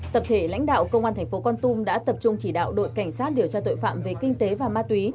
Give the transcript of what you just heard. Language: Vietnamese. tập thể lãnh đạo công an thành phố con tum đã tập trung chỉ đạo đội cảnh sát điều tra tội phạm về kinh tế và ma túy